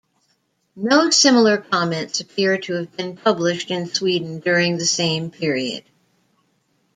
No similar comments appear to have been published in Sweden during the same period.